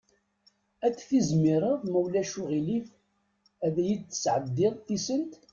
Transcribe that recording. Ad tizmireḍ ma ulac aɣilif ad iyi-d-tesɛeddiḍ tisent?